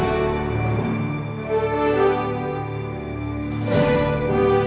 วิจัยสุดท้าย